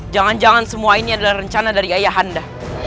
jangan jangan semua ini adalah rencana dari ayah anda